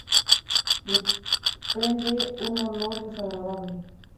Desprende un olor desagradable.